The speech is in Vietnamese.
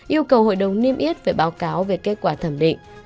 yêu cầu hội đồng niêm yết phải báo cáo về kết quả thẩm định